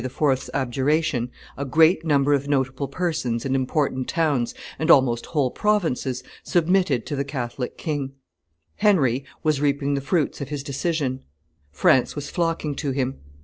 's abjuration, a great number of notable persons and important towns, and almost whole provinces, submitted to the Catholic king. Henry was reaping the fruits of his decision; France was flocking to him.